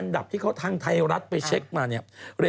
จากกระแสของละครกรุเปสันนิวาสนะฮะ